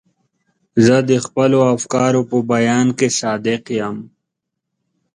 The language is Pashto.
زه د خپلو افکارو په بیان کې صادق یم.